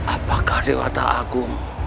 apakah dewata agung